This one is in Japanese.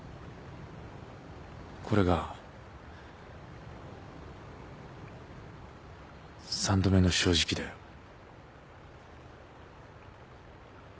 これが３度目の正直だよ。